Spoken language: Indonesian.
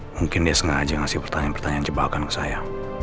mungkin dia sengaja ngasih pertanyaan pertanyaan jebakan ke saya